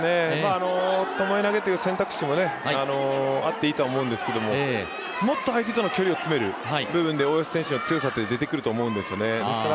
巴投という選択肢もあっていいとは思うんですがもっと相手との距離を詰めるという部分で、大吉選手の強さが出てくると思いますね。